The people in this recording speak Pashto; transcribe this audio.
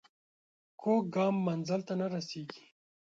کوږ ګام منزل ته نه رسېږي